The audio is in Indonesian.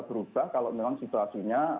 berubah kalau memang situasinya